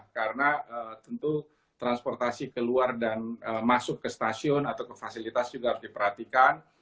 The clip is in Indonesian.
karena tentu transportasi keluar dan masuk ke stasiun atau ke fasilitas juga harus diperhatikan